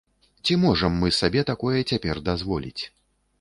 Ці можам мы сабе такое цяпер дазволіць?